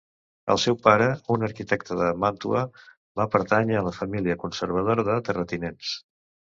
El seu pare, un arquitecte de Màntua, va pertànyer a una família conservadora de terratinents.